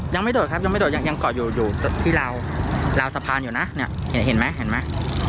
โดดครับยังไม่โดดยังยังเกาะอยู่อยู่ที่ราวราวสะพานอยู่นะเนี่ยเห็นไหมเห็นไหม